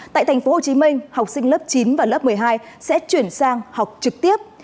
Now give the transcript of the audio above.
tại tp hcm học sinh lớp chín và lớp một mươi hai sẽ chuyển sang học trực tiếp